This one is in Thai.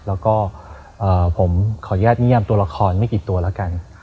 แล้วก็ผมขออนุญาตนิยามตัวละครไม่กี่ตัวแล้วกัน